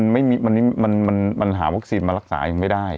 มันหาวัคซีนมารักษายังไม่ได้